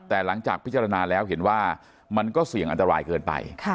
แต่หลังจากพิจารณาแล้วเห็นว่ามันก็เสี่ยงอันตรายเกินไป